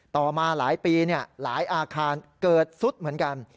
ต่อมาหลายปีหลายอาคารเกิดซุดเหมือนกัน